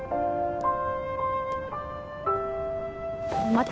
待て。